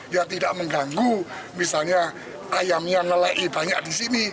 ya tidak mengganggu misalnya ayam yang lelaki banyak di sini